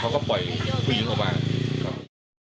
เขาก็ปล่อยผู้หญิงออกมาครับ